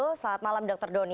selamat malam dokter doni